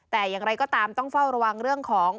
แต่อย่างไรก็ตามต้องเฝ้าระวังเรื่องของ